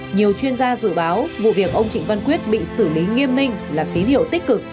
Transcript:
nhiều chuyên gia dự báo vụ việc ông trịnh văn quyết bị xử lý nghiêm minh là tín hiệu tích cực